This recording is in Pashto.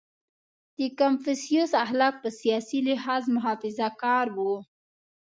• د کنفوسیوس اخلاق په سیاسي لحاظ محافظهکار وو.